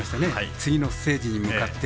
次のステージに向かって。